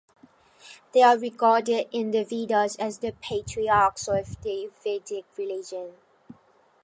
They are regarded in the Vedas as the patriarchs of the Vedic religion.